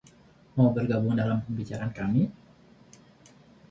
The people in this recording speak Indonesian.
Mau bergabung dalam pembicaraan kami?